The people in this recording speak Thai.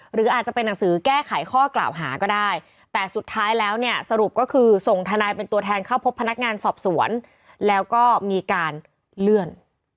หรืออาจจะเป็นหนังสือแก้ไขข้อกล่าวหาก็ได้แต่สุดท้ายแล้วเนี่ยสรุปก็คือส่งทนายเป็นตัวแทนเข้าพบพนักงานสอบสวนแล้วก็มีการเลื่อน